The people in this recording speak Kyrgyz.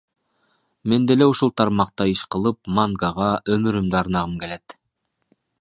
Мен деле ушул тармакта иш кылып, мангага өмүрүмдү арнагым келет.